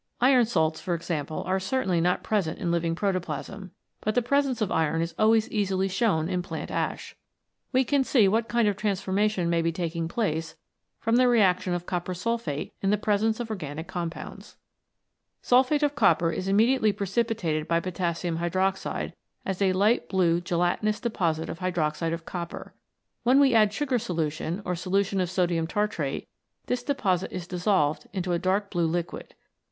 Iron salts, for example, are certainly not present in living protoplasm, but the presence of iron is always easily shown in plant ash. We can see what kind of transformation may be taking place from the reaction of copper sulphate in the presence of organic compounds. 74 VELOCITY OF REACTIONS Sulphate of copper is immediately precipitated by potassium hydroxide as a light blue gelatinous de posit of hydroxide of copper. When we add sugar solution, or solution of sodium tartrate, this deposit is dissolved into a dark blue liquid.